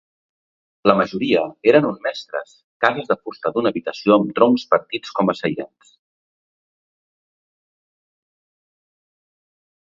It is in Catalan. La majoria eren un mestres, cases de fusta d'una habitació amb troncs partits com a seients.